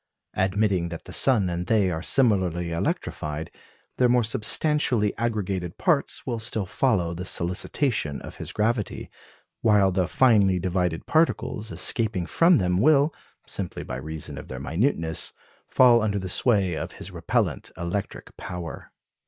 Admitting that the sun and they are similarly electrified, their more substantially aggregated parts will still follow the solicitations of his gravity, while the finely divided particles escaping from them will, simply by reason of their minuteness, fall under the sway of his repellent electric power.